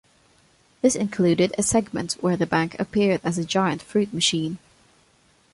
This included a segment where the bank appeared as a giant fruit machine.